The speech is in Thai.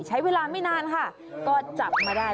ใช้เวลาไม่นานค่ะก็จับมาได้